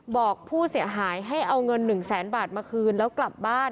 บอกผู้เสียหายให้เอาเงิน๑แสนบาทมาคืนแล้วกลับบ้าน